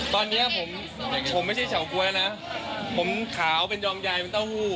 ตอนนี้ผมผมไม่ใช่เฉาก๊วยนะผมขาวเป็นยองยายเป็นเต้าหู้